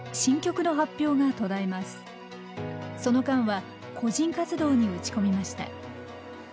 その間は個人活動に打ち込みました。